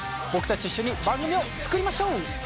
僕たちと一緒に番組を作りましょう！